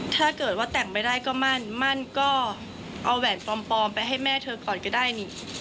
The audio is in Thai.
ถ้าเกิดว่าแต่งไม่ได้ก็มั่นมั่นก็เอาแหวนปลอมไปให้แม่เธอก่อนก็ได้นี่